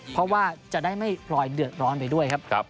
เพราะว่าจะได้ไม่พลอยเดือดร้อนไปด้วยครับ